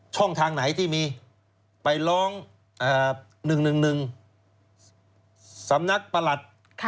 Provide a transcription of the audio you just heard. ช่องทางไหนที่มีไปร้อง๑๑๑๑สำนักประหลัด